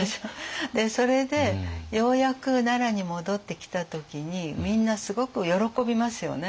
でそれでようやく奈良に戻ってきた時にみんなすごく喜びますよね。